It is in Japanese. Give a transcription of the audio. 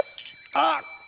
あっ！